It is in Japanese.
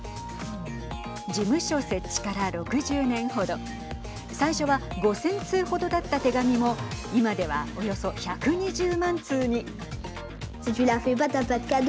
事務所設置から６０年程最初は５０００通程だった手紙も今では、およそ１２０万通に。